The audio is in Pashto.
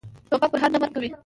توپک پرهر نه، مرګ کوي.